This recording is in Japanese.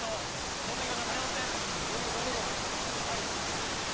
どんどんいきましょう、早押しです。